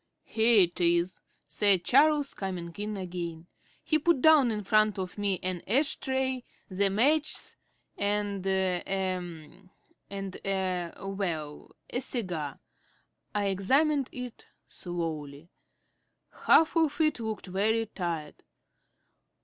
"Here it is," said Charles, coming in again. He put down in front of me an ash tray, the matches and a and a well, a cigar. I examined it slowly. Half of it looked very tired.